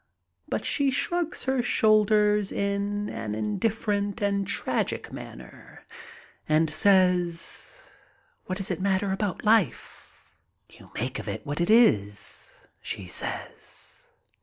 But she shrugs her shoulders in an indifferent and tragic manner and says, "What does it matter about life? "You make it what it is," she says.